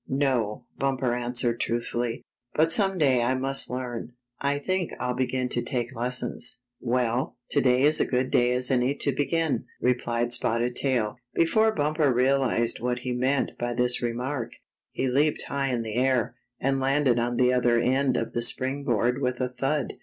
" "No," Bumper answered truthfully, "but some day I must learn. I think I'll begin to take lessons." " Well, to day is as good as any day to begin," replied Spotted Tail. Before Bumper realized what he meant by this remark, he leaped high in the air, and landed on the other end of the spring board with a thud.